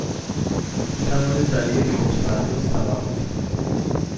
می توانید در یک خودپرداز توقف کنید؟